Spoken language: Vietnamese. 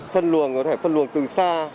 phân luồng có thể phân luồng từ xa